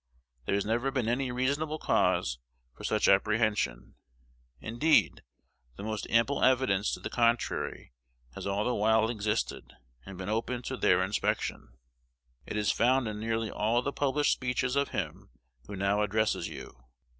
There has never been any reasonable cause for such apprehension. Indeed, the most ample evidence to the contrary has all the while existed, and been open to their inspection. It is found in nearly all the published speeches of him who now addresses you.